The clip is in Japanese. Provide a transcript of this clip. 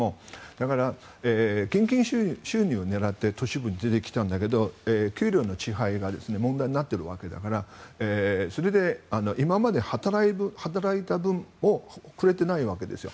だから現金収入を狙って都市部に出てきたんだけど給料の遅配が問題になってるわけだからそれで、今まで働いた分をくれてないわけですよ。